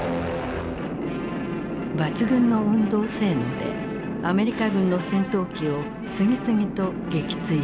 抜群の運動性能でアメリカ軍の戦闘機を次々と撃墜した。